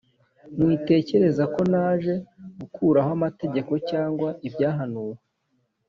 “Mwitekereza ko naje gukuraho amategeko cyangwa ibyahanuwe